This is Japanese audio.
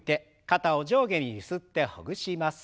肩を上下にゆすってほぐします。